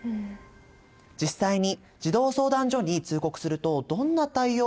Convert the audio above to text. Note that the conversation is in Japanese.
実際に児童相談所に通告するとどんな対応をしてくれるのでしょうか。